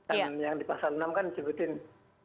dan yang di pasal enam kan disebutnya